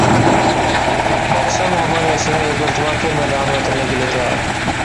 boxer Muhammad Waseem ایک مرتبہ پھر میدان میں اترنےکیلئے تیار ہیں